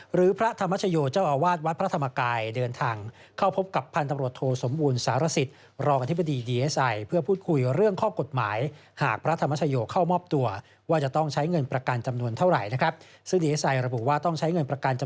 หรือพระธรรมชโยเจ้าอวาสวทธนไฟพระธรรมกายเดินทาง